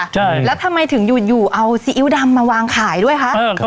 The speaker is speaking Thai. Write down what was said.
ใช่แล้วทำไมถึงอยู่เอาซีอิ๊วดำมาวางขายด้วยคะ